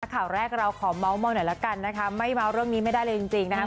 ข่าวแรกเราขอเมาส์มอลหน่อยละกันนะคะไม่เมาส์เรื่องนี้ไม่ได้เลยจริงนะครับ